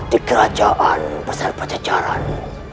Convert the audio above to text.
di kerajaan besar pajacaran